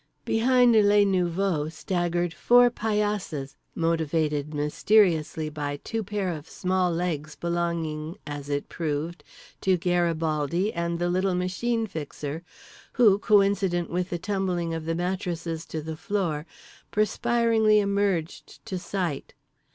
Behind les nouveaux staggered four paillasses motivated mysteriously by two pair of small legs belonging (as it proved) to Garibaldi and the little Machine Fixer; who, coincident with the tumbling of the mattresses to the floor, perspiringly emerged to sight.